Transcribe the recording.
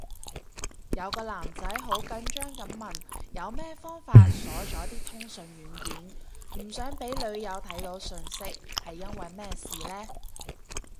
有個男仔好緊張噉問有咩方法鎖咗啲通訊軟件，唔想俾女友睇到訊息，係因為咩事呢？